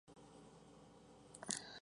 No se conoce el fuero real otorgado.